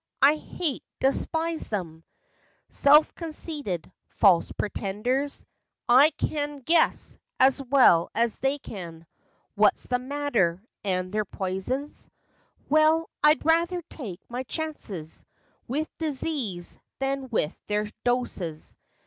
I hate, despise them ! Self conceited, false pretenders; I can ' guess ' as well as they can What's the matter; and their poisons— Well, I'd rather take my chances With disease than with their doses.